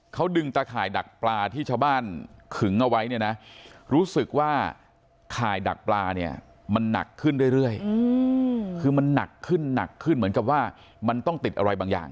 เขาดึงตะข่ายดักปลาที่ชาวบ้านขึงเอาไว้เนี่ยนะรู้สึกว่าข่ายดักปลาเนี่ยมันหนักขึ้นเรื่อยคือมันหนักขึ้นหนักขึ้นเหมือนกับว่ามันต้องติดอะไรบางอย่าง